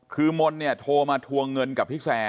คือมนต์โทรมาทวงเงินกับพี่แซ่